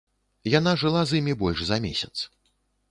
Яна жыла з імі больш за месяц.